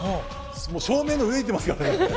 照明の上いってますからね。